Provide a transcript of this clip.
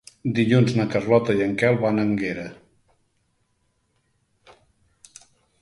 Dilluns na Carlota i en Quel van a Énguera.